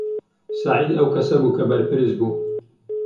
سەعید ئەو کەسە بوو کە بەرپرس بوو.